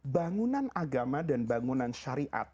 bangunan agama dan bangunan syariat